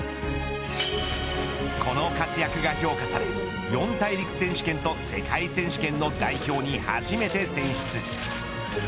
この活躍が評価され四大陸選手権と世界選手権の代表に初めて選出。